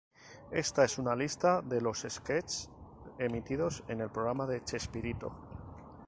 Esta es una lista de los sketch emitidos en el programa de "Chespirito".